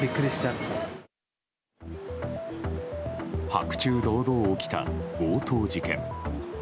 白昼堂々起きた、強盗事件。